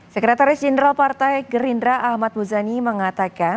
sekretaris jenderal partai gerindra ahmad muzani mengatakan